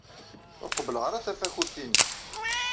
Ur qebbleɣ ara tafakult-nnek.